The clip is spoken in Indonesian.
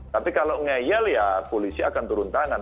tapi kalau ngeyel ya polisi akan turun tangan